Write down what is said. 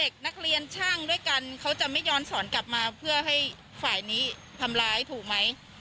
ฝ่ายนี้ทำร้ายถูกไหม